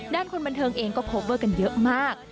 คนบันเทิงเองก็โคเวอร์กันเยอะมาก